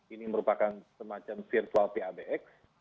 ini merupakan semacam virtual pabx